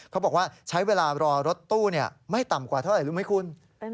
เขาบอกว่าใช้เวลารอรถตู้ไม่ต่ำกว่าเท่าไหร่รู้ไหมคุณ